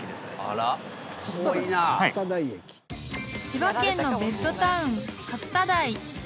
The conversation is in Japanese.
［千葉県のベッドタウン勝田台］